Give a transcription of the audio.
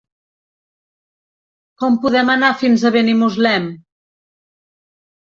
Com podem anar fins a Benimuslem?